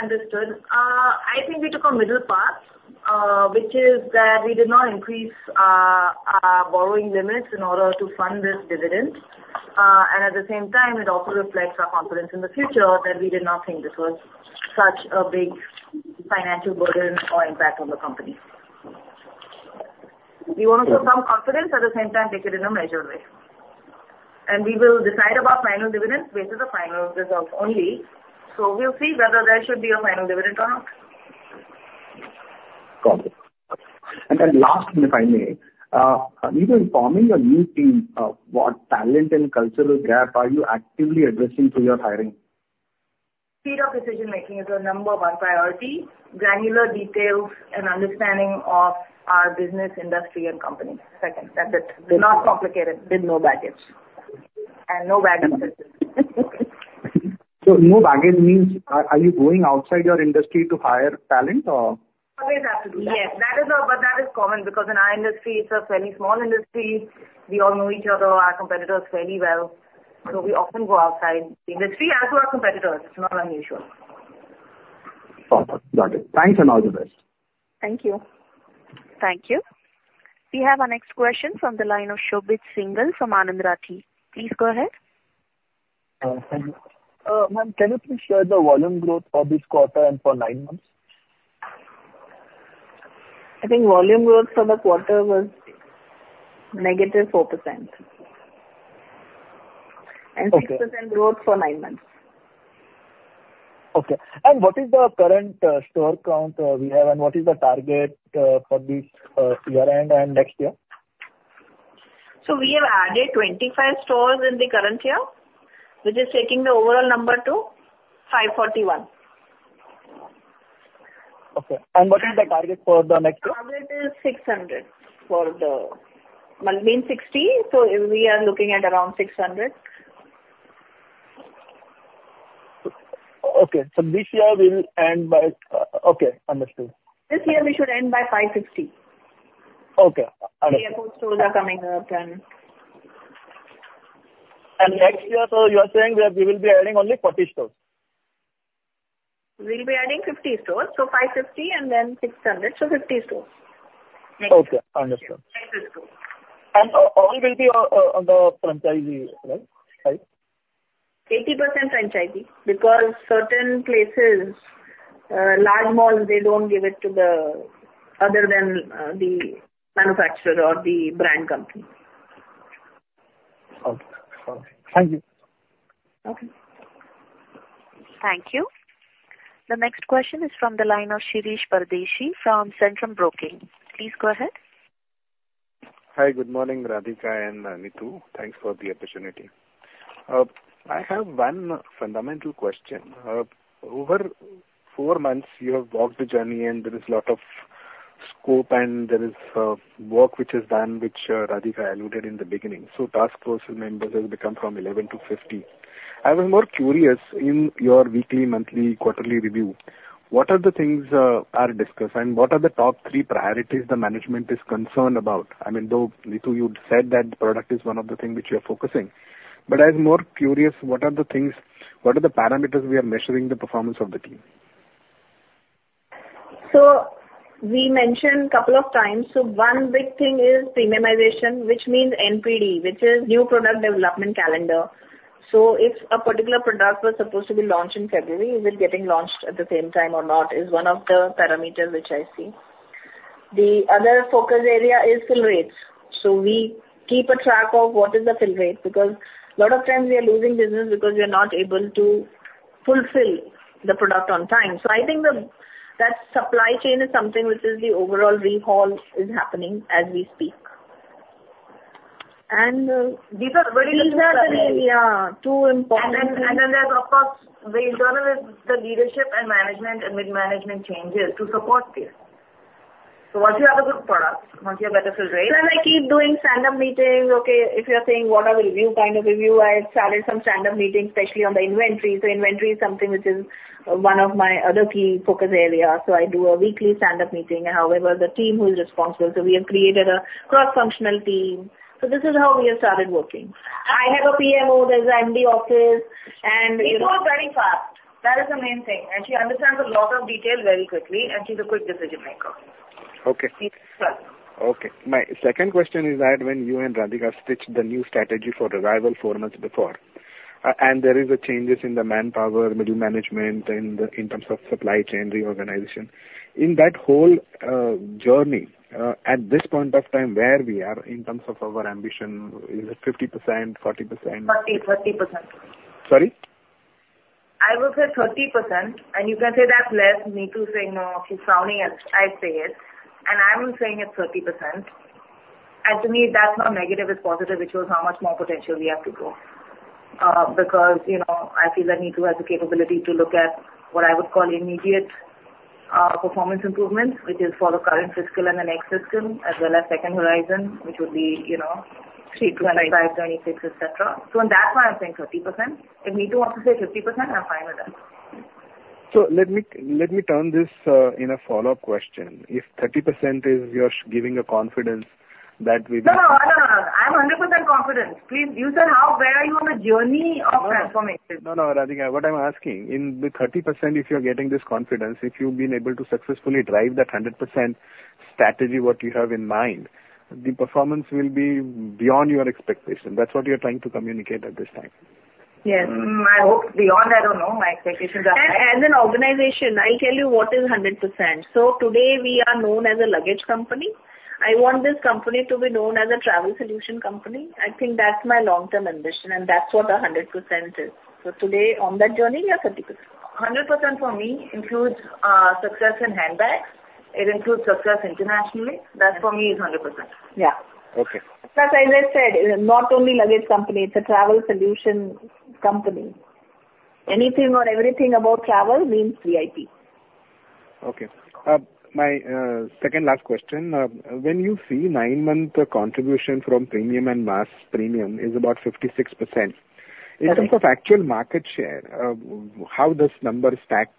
Speaker 1: Understood. I think we took a middle path, which is that we did not increase our borrowing limits in order to fund this dividend. At the same time, it also reflects our confidence in the future that we did not think this was such a big financial burden or impact on the company. We want to show some confidence, at the same time, take it in a measured way. We will decide about final dividends based on the final results only. We'll see whether there should be a final dividend or not.
Speaker 10: Got it. Then last, if I may, in forming your new team, what talent and cultural gaps are you actively addressing through your hiring?
Speaker 1: Speed of decision-making is our number one priority. Granular details and understanding of our business, industry, and company. Second, that's it. Not complicated.
Speaker 10: Okay. And no baggage.
Speaker 1: No baggage.
Speaker 10: No baggage means, are you going outside your industry to hire talent, or?
Speaker 1: Always have to do. Yes. But that is common because in our industry, it's a fairly small industry. We all know each other, our competitors fairly well. So we often go outside the industry as to our competitors. It's not unusual.
Speaker 10: Got it. Thanks and all the best.
Speaker 1: Thank you.
Speaker 4: Thank you. We have our next question from the line of Shobit Singhal from Anand Rathi. Please go ahead.
Speaker 11: Ma'am, can you please share the volume growth for this quarter and for nine months?
Speaker 1: I think volume growth for the quarter was -4% and 6% growth for nine months.
Speaker 11: Okay. What is the current store count we have, and what is the target for this year-end and next year?
Speaker 1: We have added 25 stores in the current year, which is taking the overall number to 541.
Speaker 11: Okay. What is the target for the next year?
Speaker 1: Target is 600 for the uncertain, so we are looking at around 600.
Speaker 11: Okay. So this year, we'll end by okay. Understood.
Speaker 1: This year, we should end by 550.
Speaker 11: Okay. Understood.
Speaker 1: VIP stores are coming up, and.
Speaker 11: Next year, so you are saying that we will be adding only 40 stores?
Speaker 1: We'll be adding 50 stores. So 550, and then 600. So 50 stores. Next year.
Speaker 11: Okay. Understood.
Speaker 1: Next year, 60 stores.
Speaker 11: All will be on the franchise, right?
Speaker 1: 80% franchise because certain places, large malls, they don't give it to other than the manufacturer or the brand company.
Speaker 11: Okay. Got it. Thank you.
Speaker 1: Okay.
Speaker 4: Thank you. The next question is from the line of Shirish Pardeshi from Centrum Broking. Please go ahead.
Speaker 12: Hi. Good morning, Radhika and Neetu. Thanks for the opportunity. I have one fundamental question. Over four months, you have walked the journey, and there is a lot of scope, and there is work which is done, which Radhika alluded to in the beginning. So task force members have become from 11 to 50. I was more curious, in your weekly, monthly, quarterly review, what are the things that are discussed, and what are the top three priorities the management is concerned about? I mean, though, Neetu, you said that product is one of the things which you are focusing. But I was more curious, what are the parameters we are measuring the performance of the team?
Speaker 1: So we mentioned a couple of times. So one big thing is premiumization, which means NPD, which is new product development calendar. So if a particular product was supposed to be launched in February, is it getting launched at the same time or not is one of the parameters which I see. The other focus area is fill rates. So we keep a track of what is the fill rate because a lot of times, we are losing business because we are not able to fulfill the product on time. So I think that supply chain is something which is the overall overhaul is happening as we speak. And these are very little factors. These are the real, yeah, two important factors.
Speaker 3: And then there's, of course, we'll deal with the leadership and management and mid-management changes to support this. Once you have a good product, once you have better fill rates.
Speaker 1: Then I keep doing stand-up meetings. Okay. If you're saying, "What kind of review," I started some stand-up meetings, especially on the inventory. Inventory is something which is one of my other key focus areas. I do a weekly stand-up meeting. However, the team who is responsible, so we have created a cross-functional team. This is how we have started working. I have a PMO. There's an MD office,
Speaker 3: Neetu was very fast. That is the main thing. She understands a lot of detail very quickly, and she's a quick decision maker.
Speaker 12: Okay. Okay. My second question is that when you and Radhika stitched the new strategy for revival four months before, and there are changes in the manpower, middle management, in terms of supply chain, reorganization, in that whole journey, at this point of time where we are in terms of our ambition, is it 50%, 40%?
Speaker 1: 40. 30%.
Speaker 12: Sorry?
Speaker 3: I would say 30%. And you can say that's less. Neetu is saying, "No. She's frowning at I say it." And I'm saying it's 30%. And to me, that's not negative. It's positive, which was how much more potential we have to grow because I feel that Neetu has the capability to look at what I would call immediate performance improvements, which is for the current fiscal and the next fiscal, as well as second horizon, which would be 2025, 2026, etc. So on that front, I'm saying 30%. If Neetu wants to say 50%, I'm fine with that.
Speaker 12: So, let me turn this into a follow-up question. If 30% is you're giving confidence that we will.
Speaker 3: No, no, no, no, no, no. I'm 100% confident. You said how? Where are you on the journey of transformation?
Speaker 12: No, no, Radhika. What I'm asking, with 30%, if you're getting this confidence, if you've been able to successfully drive that 100% strategy, what you have in mind, the performance will be beyond your expectation. That's what you're trying to communicate at this time.
Speaker 1: Yes. I hope beyond. I don't know. My expectations are high. As an organization, I'll tell you what is 100%. So today, we are known as a luggage company. I want this company to be known as a travel solution company. I think that's my long-term ambition, and that's what 100% is. So today, on that journey, we are 30%.
Speaker 3: 100% for me includes success in handbags. It includes success internationally.
Speaker 1: That, for me, is 100%. Plus, as I said, not only luggage company. It's a travel solution company. Anything or everything about travel means VIP.
Speaker 12: Okay. My second last question. When you see 9-month contribution from premium and mass premium, it's about 56%. In terms of actual market share, how does number stack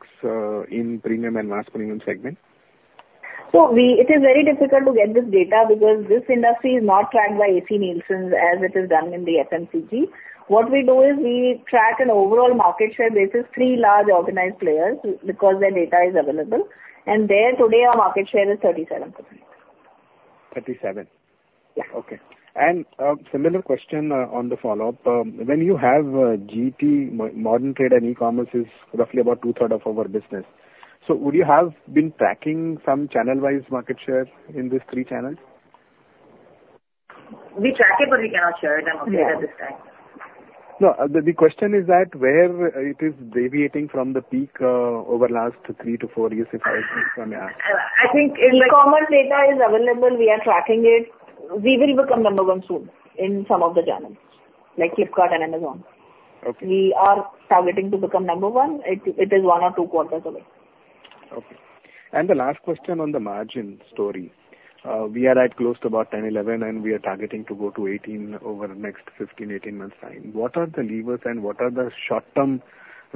Speaker 12: in premium and mass premium segment?
Speaker 1: It is very difficult to get this data because this industry is not tracked by A.C. Nielsen as it is done in the FMCG. What we do is we track an overall market share based on three large organized players because their data is available. There, today, our market share is 37%.
Speaker 12: 37?
Speaker 1: Yeah.
Speaker 12: Okay. Similar question on the follow-up. When you have GT, modern trade, and e-commerce, it's roughly about two-thirds of our business. Would you have been tracking some channel-wise market share in these three channels?
Speaker 1: We track it, but we cannot share them. Okay. That is fine.
Speaker 12: No. The question is that where it is deviating from the peak over the last 3-4 years, if I may ask?
Speaker 1: I think in e-commerce data is available. We are tracking it. We will become number one soon in some of the channels, like Flipkart and Amazon. We are targeting to become number one. It is one or two quarters away.
Speaker 12: Okay. The last question on the margin story. We are at close to about 10%-11%, and we are targeting to go to 18% over the next 15-18 months' time. What are the levers, and what are the short-term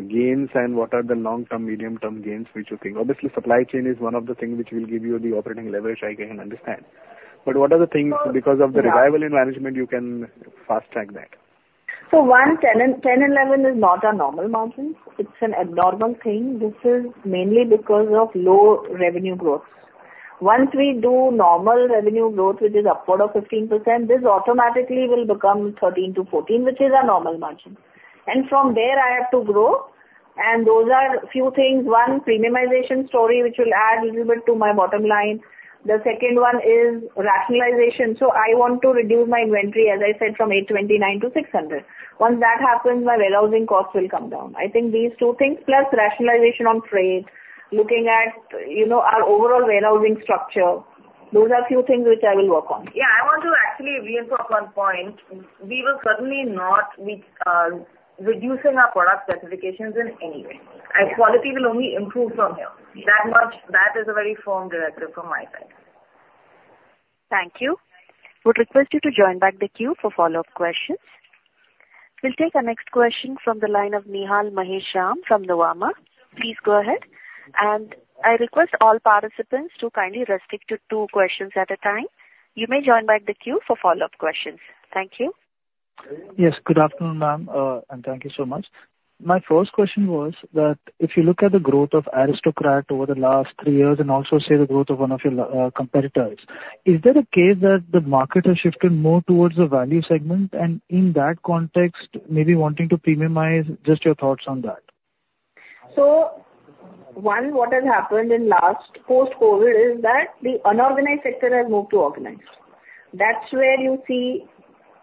Speaker 12: gains, and what are the long-term, medium-term gains which you think obviously, supply chain is one of the things which will give you the operating leverage, I can understand. But what are the things, because of the reliability management, you can fast-track that?
Speaker 1: So 10/11 is not our normal margins. It's an abnormal thing. This is mainly because of low revenue growth. Once we do normal revenue growth, which is upward of 15%, this automatically will become 13%-14%, which is our normal margin. And from there, I have to grow. And those are a few things. One, premiumization story, which will add a little bit to my bottom line. The second one is rationalization. So I want to reduce my inventory, as I said, from 829 to 600. Once that happens, my warehousing costs will come down. I think these two things, plus rationalization on freight, looking at our overall warehousing structure, those are a few things which I will work on.
Speaker 3: Yeah. I want to actually reinforce one point. We were certainly not reducing our product specifications in any way. Our quality will only improve from here. That is a very firm directive from my side.
Speaker 4: Thank you. Would request you to join back the queue for follow-up questions. We'll take our next question from the line of Nihal Mahesh Jham from Nuvama. Please go ahead. I request all participants to kindly restrict to two questions at a time. You may join back the queue for follow-up questions. Thank you.
Speaker 13: Yes. Good afternoon, ma'am, and thank you so much. My first question was that if you look at the growth of Aristocrat over the last three years and also say the growth of one of your competitors, is there a case that the market has shifted more towards the value segment? And in that context, maybe wanting to premiumize, just your thoughts on that.
Speaker 1: So one, what has happened in post-COVID is that the unorganized sector has moved to organized. That's where you see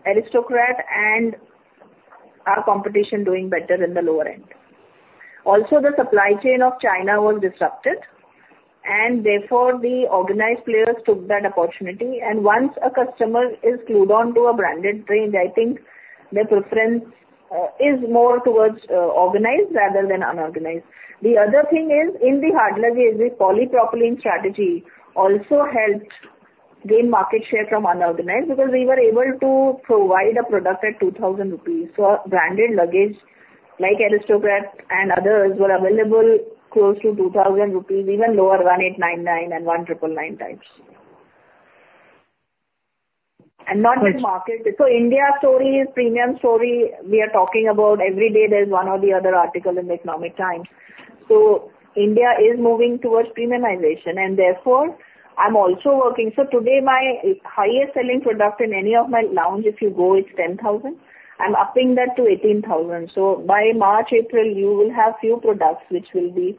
Speaker 1: Aristocrat and our competition doing better in the lower end. Also, the supply chain of China was disrupted, and therefore, the organized players took that opportunity. And once a customer is glued onto a branded range, I think their preference is more towards organized rather than unorganized. The other thing is, in the hard luggage, the polypropylene strategy also helped gain market share from unorganized because we were able to provide a product at 2,000 rupees. So branded luggage like Aristocrat and others were available close to 2,000 rupees, even lower, 1,899 and 1,999 types. And not the market. So India story, premium story, we are talking about every day, there's one or the other article in The Economic Times. So India is moving towards premiumization, and therefore, I'm also working. So today, my highest-selling product in any of my lounges, if you go, it's 10,000. I'm upping that to 18,000. So by March, April, you will have few products which will be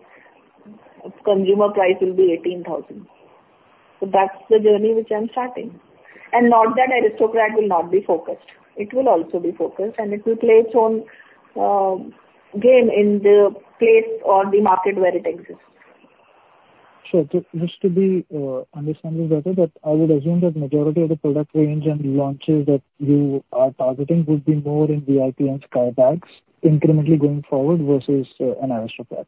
Speaker 1: consumer price will be 18,000. So that's the journey which I'm starting. And not that Aristocrat will not be focused. It will also be focused, and it will play its own game in the place or the market where it exists.
Speaker 13: Sure. Just to be understandable better, I would assume that majority of the product range and launches that you are targeting would be more in VIP and Skybags incrementally going forward versus an Aristocrat.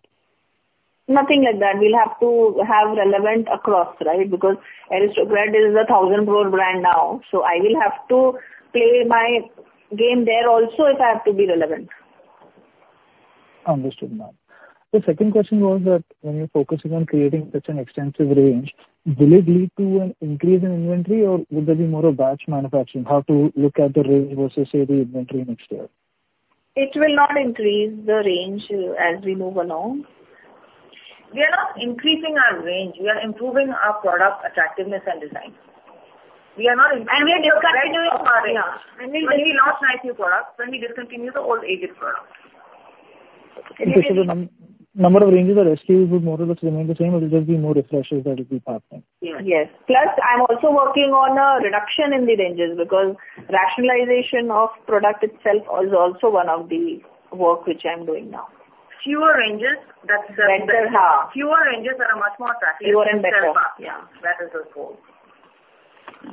Speaker 1: Nothing like that. We'll have to have relevant across, right, because Aristocrat is a 1,000 crore brand now. So I will have to play my game there also if I have to be relevant.
Speaker 13: Understood, ma'am. The second question was that when you're focusing on creating such an extensive range, will it lead to an increase in inventory, or would there be more of batch manufacturing? How to look at the range versus, say, the inventory next year?
Speaker 1: It will not increase the range as we move along. We are not increasing our range. We are improving our product attractiveness and design. We are not. And we'll discontinue our. When we launch nice new products, then we discontinue the old aged products.
Speaker 13: Okay. So the number of ranges that SKUs would more or less remain the same, or will there be more refreshes that will be partnering?
Speaker 1: Yes. Plus, I'm also working on a reduction in the ranges because rationalization of product itself is also one of the work which I'm doing now.
Speaker 3: Fewer ranges are much more attractive.
Speaker 1: Fewer and better.
Speaker 3: Better, huh? Yeah. That is the goal.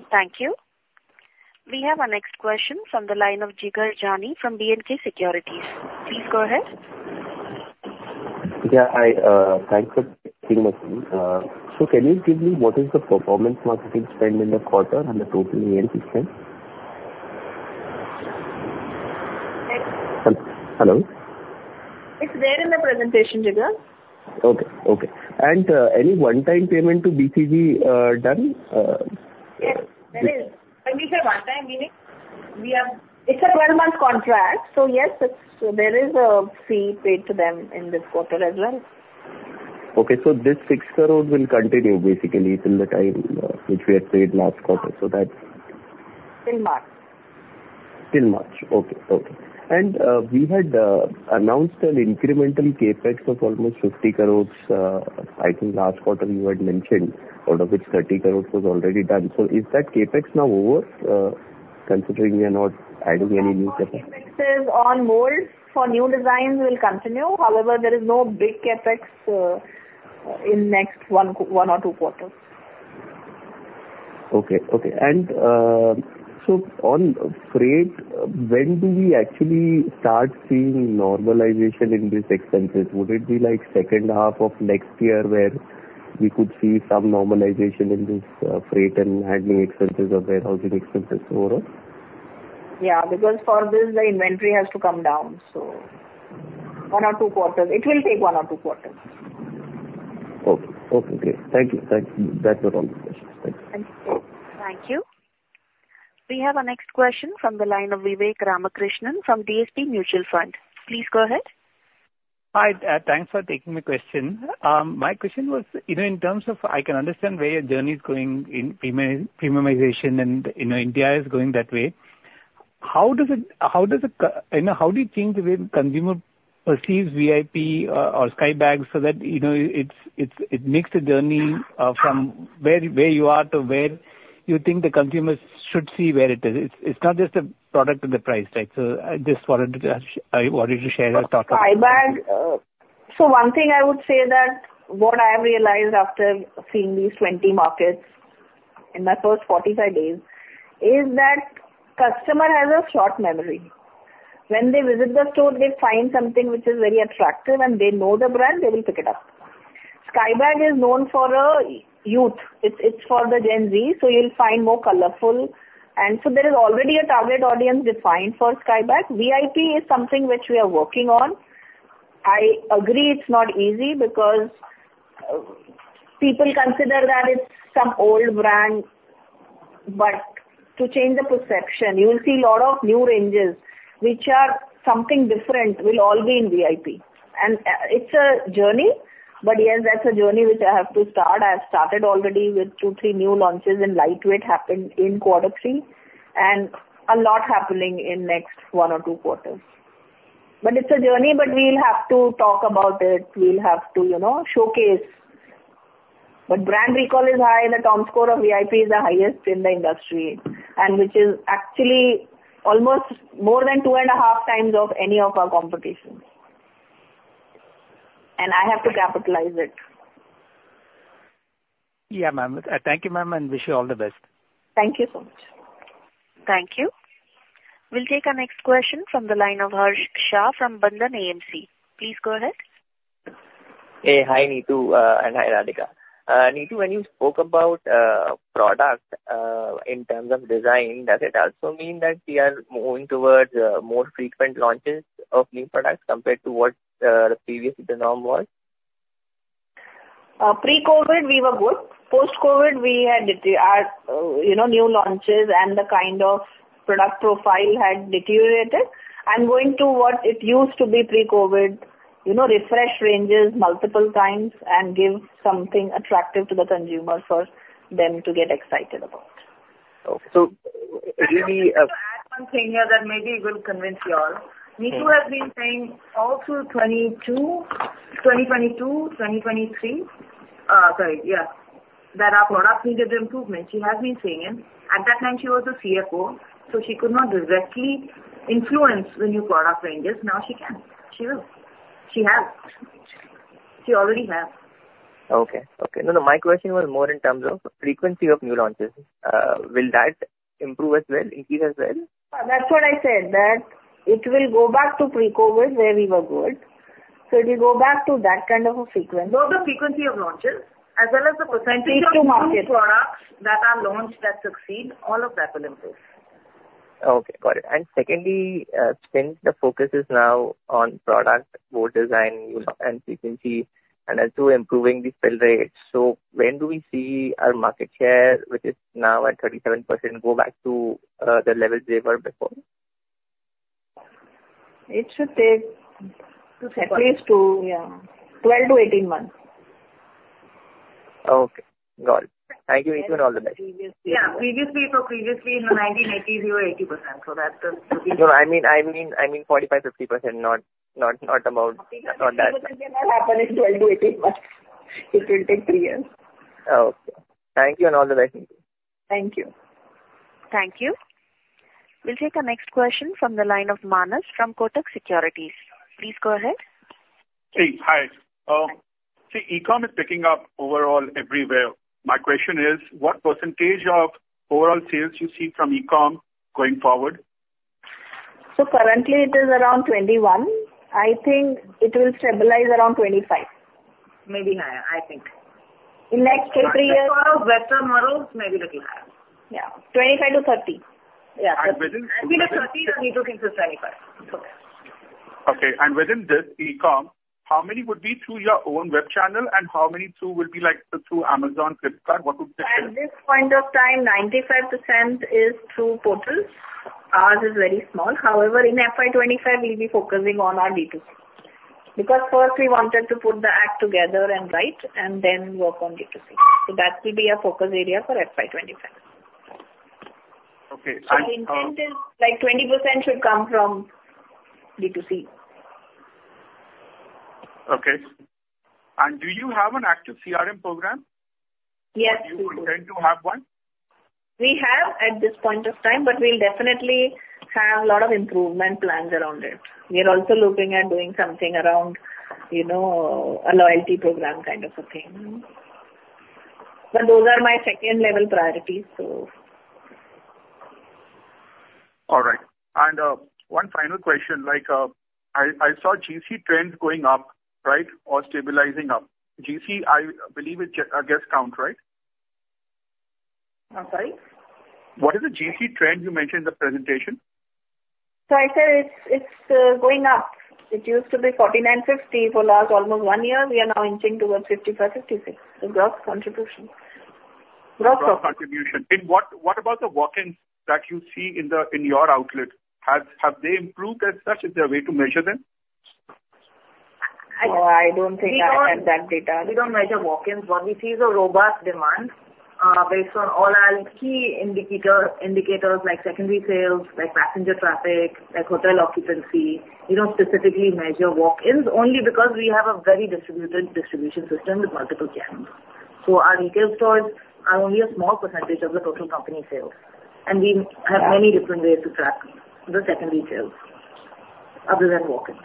Speaker 4: Thank you. We have our next question from the line of Jigar Jani from B&K Securities. Please go ahead.
Speaker 14: Yeah. Thanks for taking the time. So can you give me what is the performance marketing spend in the quarter and the total VAT spend? Hello?
Speaker 1: It's there in the presentation, Jigar.
Speaker 14: Okay. Okay. Any one-time payment to BCG done?
Speaker 1: Yes. There is. When we say one-time, meaning we have, it's a 12-month contract. So yes, there is a fee paid to them in this quarter as well.
Speaker 14: Okay. So this INR 6 crore will continue, basically, till the time which we had paid last quarter. So that's.
Speaker 1: Till March.
Speaker 14: Till March. Okay. Okay. And we had announced an incremental CapEx of almost 50 crores. I think last quarter, you had mentioned out of which 30 crores was already done. So is that CapEx now over, considering we are not adding any new CapEx?
Speaker 1: CapEx is on hold. For new designs, we'll continue. However, there is no big CapEx in the next one or two quarters.
Speaker 14: Okay. Okay. And so on freight, when do we actually start seeing normalization in these expenses? Would it be second half of next year where we could see some normalization in this freight and handling expenses or warehousing expenses overall?
Speaker 1: Yeah. Because for this, the inventory has to come down. So one or two quarters. It will take one or two quarters.
Speaker 14: Okay. Okay. Great. Thank you. That's all the questions. Thank you.
Speaker 4: Thank you. We have our next question from the line of Vivek Ramakrishnan from DSP Mutual Fund. Please go ahead.
Speaker 15: Hi. Thanks for taking my question. My question was, in terms of I can understand where your journey is going in premiumization, and India is going that way. How do you change the way consumer perceives VIP or Skybags so that it makes a journey from where you are to where you think the consumer should see where it is? It's not just the product and the price, right? So I just wanted to share a thought process.
Speaker 1: So one thing I would say that what I have realized after seeing these 20 markets in my first 45 days is that customer has a short memory. When they visit the store, they find something which is very attractive, and they know the brand. They will pick it up. Skybags is known for youth. It's for the Gen Z. So you'll find more colorful. And so there is already a target audience defined for Skybags. VIP is something which we are working on. I agree it's not easy because people consider that it's some old brand. But to change the perception, you will see a lot of new ranges which are something different will all be in VIP. And it's a journey. But yes, that's a journey which I have to start. I have started already with 2, 3 new launches, and lightweight happened in quarter three, and a lot happening in the next 1 or 2 quarters. But it's a journey, but we'll have to talk about it. We'll have to showcase. But brand recall is high. The TOM score of VIP is the highest in the industry, which is actually almost more than 2.5 times of any of our competition. And I have to capitalize it.
Speaker 15: Yeah, ma'am. Thank you, ma'am, and wish you all the best.
Speaker 1: Thank you so much.
Speaker 4: Thank you. We'll take our next question from the line of Harsh Shah from Bandhan AMC. Please go ahead.
Speaker 16: Hey. Hi, Neetu, and hi, Radhika. Neetu, when you spoke about product in terms of design, does it also mean that we are moving towards more frequent launches of new products compared to what previously the norm was?
Speaker 1: Pre-COVID, we were good. Post-COVID, our new launches and the kind of product profile had deteriorated. I'm going to what it used to be pre-COVID, refresh ranges multiple times and give something attractive to the consumer for them to get excited about.
Speaker 16: Okay. So really.
Speaker 3: I will add one thing here that maybe will convince you all. Neetu has been saying all through 2022, 2023, sorry, yeah, that our product needed improvement. She has been saying it. At that time, she was the CFO, so she could not directly influence the new product ranges. Now she can. She will. She has. She already has.
Speaker 16: Okay. Okay. No, no. My question was more in terms of frequency of new launches. Will that improve as well, increase as well?
Speaker 1: That's what I said, that it will go back to pre-COVID where we were good. So it will go back to that kind of a frequency.
Speaker 3: Both the frequency of launches as well as the percentage of new products that are launched that succeed, all of that will improve.
Speaker 16: Okay. Got it. And secondly, since the focus is now on product, more design, and frequency, and also improving the sell rates, so when do we see our market share, which is now at 37%, go back to the levels they were before?
Speaker 1: It should take at least 12-18 months.
Speaker 16: Okay. Got it. Thank you, Neetu, and all the best.
Speaker 1: Yeah. Previously, in the 1980s, we were 80%. So that's the.
Speaker 16: No, I mean 45-50%, not about that.
Speaker 1: 50% cannot happen in 12-18 months. It will take three years.
Speaker 16: Okay. Thank you, and all the best, Neetu.
Speaker 1: Thank you.
Speaker 4: Thank you. We'll take our next question from the line of Manas from Kotak Securities. Please go ahead.
Speaker 17: Hey. Hi. See, e-commerce is picking up overall everywhere. My question is, what percentage of overall sales do you see from e-commerce going forward?
Speaker 1: Currently, it is around 21. I think it will stabilize around 25. Maybe higher, I think. In the next 2, 3 years.
Speaker 17: 25 or better models may be a little higher.
Speaker 1: Yeah. 25 to 30. Yeah.
Speaker 17: And within.
Speaker 1: Within 30, then we do think it's 25.
Speaker 17: Okay. And within this, e-commerce, how many would be through your own web channel, and how many will be through Amazon, Flipkart? What would be the channel?
Speaker 1: At this point of time, 95% is through portals. Ours is very small. However, in FY25, we'll be focusing on our D2C because first, we wanted to put the act together and write and then work on D2C. So that will be our focus area for FY25.
Speaker 17: Okay. And.
Speaker 1: Our intent is 20% should come from D2C.
Speaker 17: Okay. And do you have an active CRM program?
Speaker 1: Yes.
Speaker 17: Do you intend to have one?
Speaker 1: We have at this point of time, but we'll definitely have a lot of improvement plans around it. We are also looking at doing something around a loyalty program kind of a thing. But those are my second-level priorities, so.
Speaker 17: All right. One final question. I saw GC trend going up, right, or stabilizing up. GC, I believe, is a guest count, right?
Speaker 1: I'm sorry?
Speaker 17: What is the GC trend you mentioned in the presentation?
Speaker 1: I said it's going up. It used to be 49.50 for the last almost one year. We are now inching towards 55.56, the gross contribution. Gross contribution.
Speaker 17: Gross contribution. What about the walk-ins that you see in your outlet? Have they improved as such? Is there a way to measure them?
Speaker 3: I don't think I have that data. We don't measure walk-ins. What we see is a robust demand based on all our key indicators like secondary sales, passenger traffic, hotel occupancy. We don't specifically measure walk-ins only because we have a very distributed distribution system with multiple channels. So our retail stores are only a small percentage of the total company sales. And we have many different ways to track the secondary sales other than walk-ins.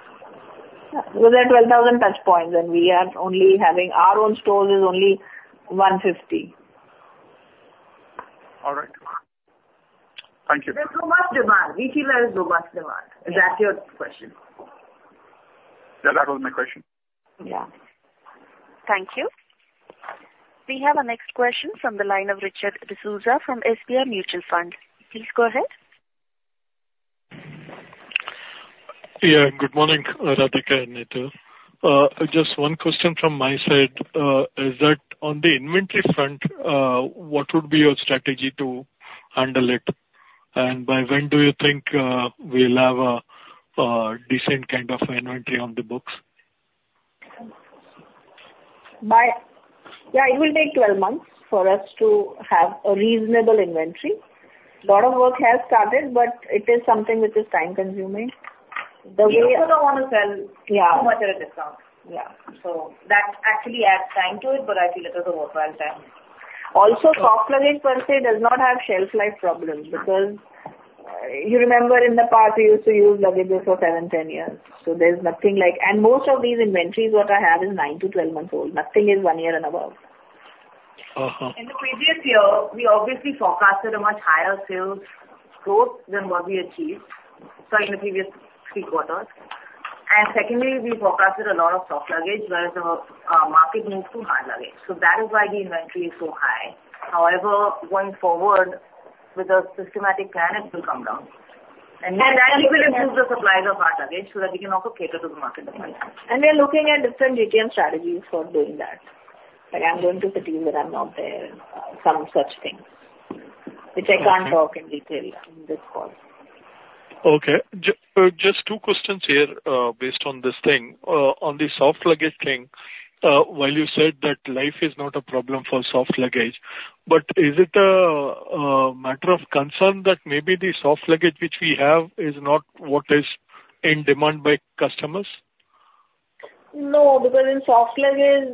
Speaker 3: Within 12,000 touchpoints, and we are only having our own stores is only 150.
Speaker 17: All right. Thank you.
Speaker 3: There's robust demand. We feel there is robust demand. Is that your question?
Speaker 17: Yeah. That was my question.
Speaker 4: Yeah.
Speaker 7: Thank you. We have our next question from the line of Richard D'Souza from SBI Mutual Fund. Please go ahead.
Speaker 18: Yeah. Good morning, Radhika and Neetu. Just one question from my side. On the inventory front, what would be your strategy to handle it? And by when do you think we'll have a decent kind of inventory on the books?
Speaker 1: Yeah. It will take 12 months for us to have a reasonable inventory. A lot of work has started, but it is something which is time-consuming
Speaker 3: You also don't want to sell too much at a discount. Yeah. So that actually adds time to it, but I feel it is a worthwhile time.
Speaker 1: Also, soft luggage per se does not have shelf-life problems because you remember in the past, we used to use luggage for 7-10 years. So there's nothing like and most of these inventories, what I have, is 9-12 months old. Nothing is one year and above.
Speaker 3: In the previous year, we obviously forecasted a much higher sales growth than what we achieved, sorry, in the previous three quarters. And secondly, we forecasted a lot of soft luggage whereas the market moved to hard luggage. So that is why the inventory is so high. However, going forward, with a systematic plan, it will come down. And that will improve the supplies of hard luggage so that we can also cater to the market demand.
Speaker 1: We are looking at different GTM strategies for doing that, like I'm going to cities that I'm not there and some such things, which I can't talk in detail in this call.
Speaker 18: Okay. Just two questions here based on this thing. On the soft luggage thing, while you said that life is not a problem for soft luggage, but is it a matter of concern that maybe the soft luggage which we have is not what is in demand by customers?
Speaker 1: No. Because in soft luggage,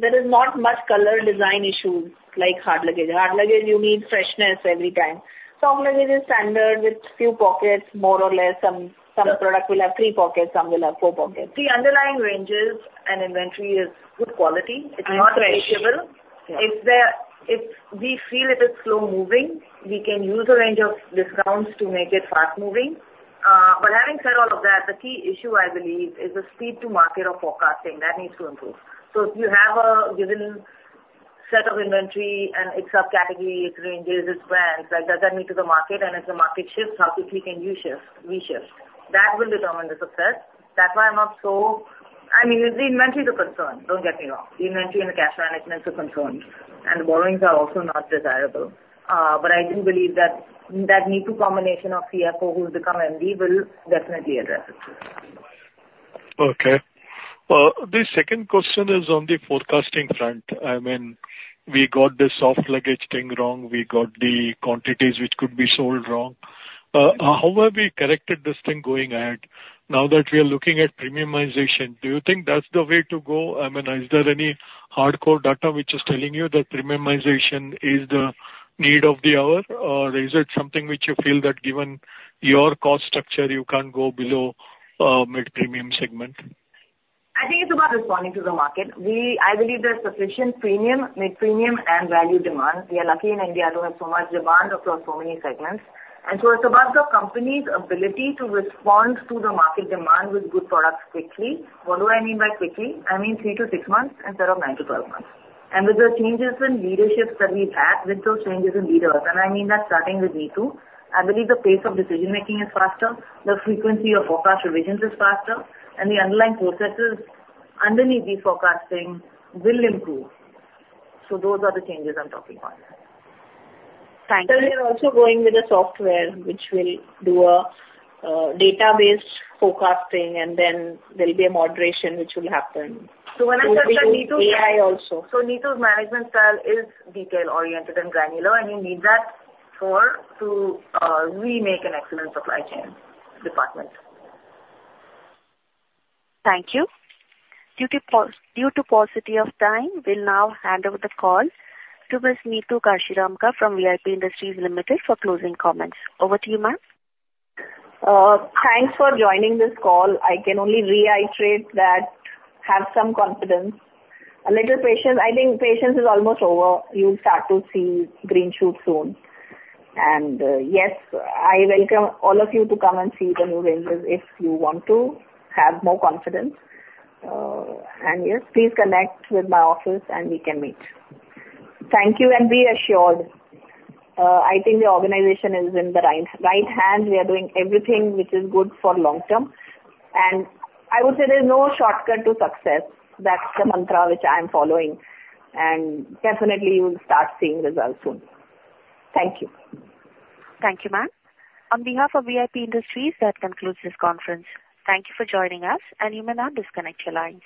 Speaker 1: there is not much color design issues like hard luggage. Hard luggage, you need freshness every time. Soft luggage is standard with few pockets, more or less. Some product will have three pockets. Some will have four pockets.
Speaker 3: The underlying ranges and inventory is good quality. It's not changeable. If we feel it is slow-moving, we can use a range of discounts to make it fast-moving. But having said all of that, the key issue, I believe, is the speed to market of forecasting. That needs to improve. So if you have a given set of inventory, and it's subcategory, it ranges, it's brands, does that meet to the market? And if the market shifts, how quickly can we shift? That will determine the success. That's why I'm not so I mean, the inventory is a concern. Don't get me wrong. The inventory and the cash management is a concern. The borrowings are also not desirable. I do believe that Neetu's combination of CFO who's become MD will definitely address it.
Speaker 18: Okay. The second question is on the forecasting front. I mean, we got the soft luggage thing wrong. We got the quantities which could be sold wrong. How have we corrected this thing going ahead? Now that we are looking at premiumization, do you think that's the way to go? I mean, is there any hardcore data which is telling you that premiumization is the need of the hour, or is it something which you feel that given your cost structure, you can't go below mid-premium segment?
Speaker 3: I think it's about responding to the market. I believe there's sufficient mid-premium and value demand. We are lucky in India to have so much demand across so many segments. And so it's about the company's ability to respond to the market demand with good products quickly. What do I mean by quickly? I mean 3-6 months instead of 9-12 months. And with the changes in leadership that we've had, with those changes in leaders, and I mean that starting with Neetu, I believe the pace of decision-making is faster, the frequency of forecast revisions is faster, and the underlying processes underneath these forecasting will improve. So those are the changes I'm talking about.
Speaker 1: Thank you. We are also going with a software which will do a database forecasting, and then there'll be a moderation which will happen.
Speaker 3: When I said that, Neetu. I also. So Neetu's management style is detail-oriented and granular, and we need that to remake an excellent supply chain department.
Speaker 4: Thank you. Due to paucity of time, we'll now hand over the call to Ms. Neetu Kashiramka from VIP Industries Limited for closing comments. Over to you, ma'am.
Speaker 1: Thanks for joining this call. I can only reiterate that have some confidence. A little patience. I think patience is almost over. You'll start to see green shoots soon. And yes, I welcome all of you to come and see the new ranges if you want to have more confidence. And yes, please connect with my office, and we can meet. Thank you, and be assured. I think the organization is in the right hand. We are doing everything which is good for long-term. And I would say there's no shortcut to success. That's the mantra which I am following. And definitely, you'll start seeing results soon. Thank you.
Speaker 4: Thank you, ma'am. On behalf of VIP Industries, that concludes this conference. Thank you for joining us, and you may now disconnect your lines.